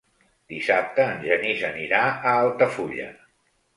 Dissabte en Genís anirà a Altafulla.